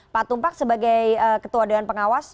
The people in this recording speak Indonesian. pak tumpak sebagai ketua dewan pengawas